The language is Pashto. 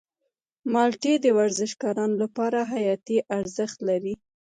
مالټې د ورزشکارانو لپاره حیاتي ارزښت لري.